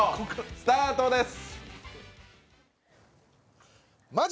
スタートです